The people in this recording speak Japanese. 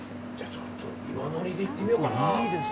ちょっと岩のりでいってみようかな。